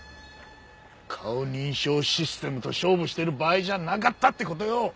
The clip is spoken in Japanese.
顔認証システムと勝負してる場合じゃなかったって事よ！